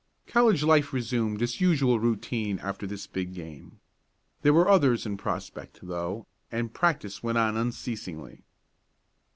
College life resumed its usual routine after this big game. There were others in prospect, though, and practice went on unceasingly.